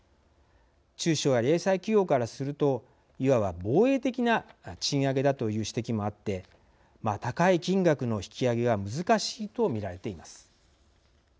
中小や零細企業からするといわば、防衛的な賃上げだという指摘もあって高い金額の引き上げは難しいと見られています。